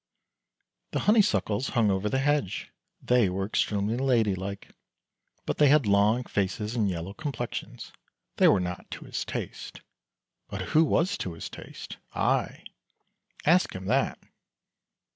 The Honeysuckles hung over the hedge ; they were extremely ladylike, but they had long faces and yellow complexions. They were not to his taste. But who was to his taste? Ay! ask him that.